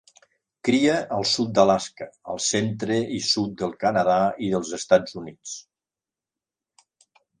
Cria al sud d'Alaska, al centre i sud del Canadà i dels Estats Units.